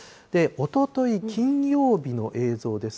おととい、金曜日の映像です